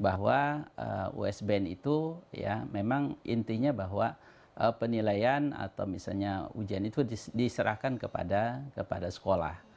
bahwa usbn itu ya memang intinya bahwa penilaian atau misalnya ujian itu diserahkan kepada sekolah